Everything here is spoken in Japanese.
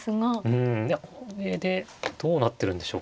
うんいやこれでどうなってるんでしょうか。